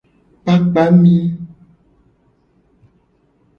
Kpakpa mi.